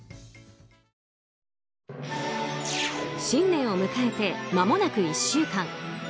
新年を迎えて、まもなく１週間。